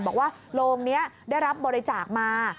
บอกว่าโรงนี้ได้รับบริจาคมา